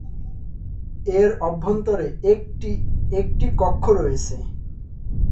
এর অভ্যন্তরে একটি একটি কক্ষ রয়েছে।